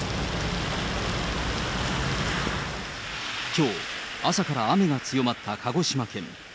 きょう、朝から雨が強まった鹿児島県。